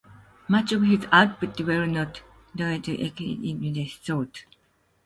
Much of his output, while not outright spiritual, evoked religious thoughts.